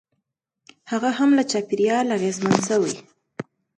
هغه هم له چاپېریال اغېزمن شوی.